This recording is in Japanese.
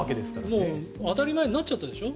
もう当たり前になっちゃったでしょ。